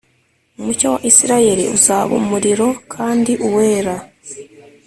Umucyo wa isirayeli uzaba umuriro kandi uwera